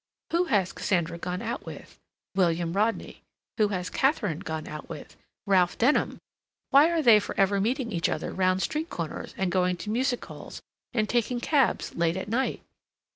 "Who has Cassandra gone out with? William Rodney. Who has Katharine gone out with? Ralph Denham. Why are they for ever meeting each other round street corners, and going to music halls, and taking cabs late at night?